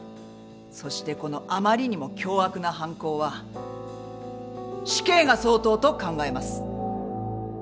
そしてこのあまりにも凶悪な犯行は死刑が相当と考えます。